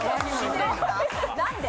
何で？